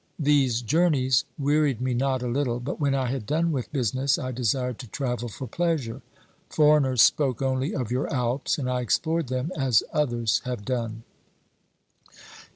These journeys wearied me not a little, but when I had done with business I desired to travel for pleasure. Foreigners spoke only of your Alps, and I explored them as others have done."